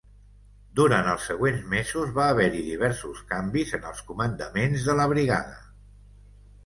Durant els següents mesos va haver-hi diversos canvis en els comandaments de la brigada.